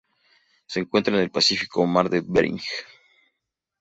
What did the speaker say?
Se encuentra en el Pacífico: Mar de Bering.